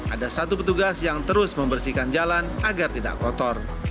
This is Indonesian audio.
ada satu petugas yang terus membersihkan jalan agar tidak kotor